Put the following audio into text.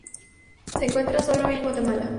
Se encuentra sólo en Guatemala.